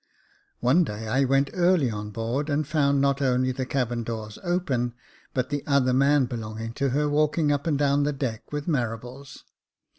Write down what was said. One day I went early on board, and found not only the cabin doors open, but the other man belonging to her walking up and down the deck with Marables.